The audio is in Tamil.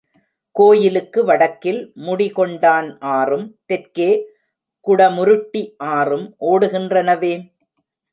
கோயிலுக்கு வடக்கில் முடி கொண்டான் ஆறும், தெற்கே குடமுருட்டி ஆறும் ஓடுகின்றனவே!